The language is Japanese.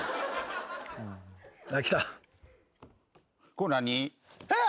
これ何？